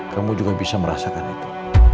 kamu juga bisa merasakan itu